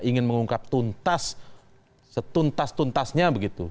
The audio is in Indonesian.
ingin mengungkap tuntas setuntas tuntasnya begitu